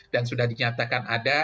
dan sudah dinyatakan ada